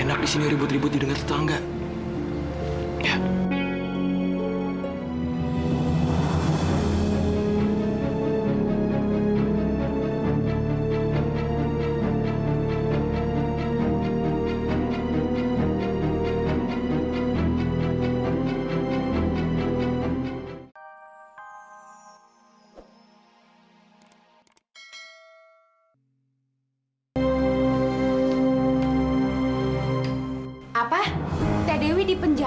sampai jumpa di video selanjutnya